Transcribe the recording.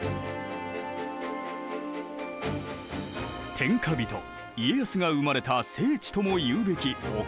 天下人家康が生まれた聖地ともいうべき岡崎城。